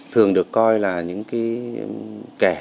thường được coi là những cái kẻ